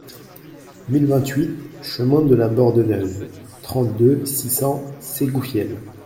mille vingt-huit chemin de la Bordeneuve, trente-deux, six cents, Ségoufielle